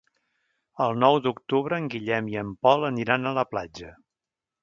El nou d'octubre en Guillem i en Pol aniran a la platja.